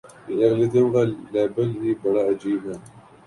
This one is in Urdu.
یہ اقلیتوں کا لیبل ہی بڑا عجیب ہے۔